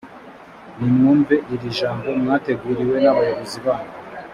nimwumve iri jambo mwateguriwe n’abayobozi banyu